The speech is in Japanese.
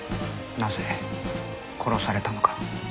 なぜ殺されたのか。